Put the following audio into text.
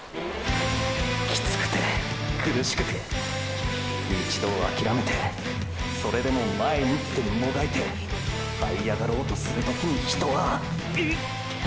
キツくて苦しくて一度あきらめてそれでも前にってもがいてはいあがろうとする時に人はーーぅ！！